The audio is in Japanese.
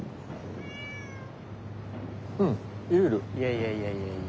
いやいやいやいや。